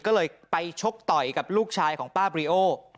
ก็เลยไปชกต่อยกับลูกชายของป้าบริโอ